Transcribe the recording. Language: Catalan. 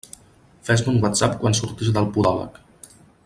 Fes-me un Whatsapp quan surtis del podòleg.